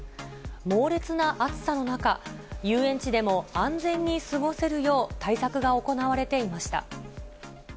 猛烈な暑さの中、遊園地でも安全に過ごせるよう対策が行われていました。